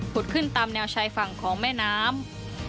ขึ้นตามแนวชายฝั่งของแม่น้ำ